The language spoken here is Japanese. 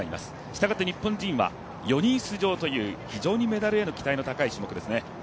したがって日本人は４人出場という非常にメダルへの期待が高い種目ですね。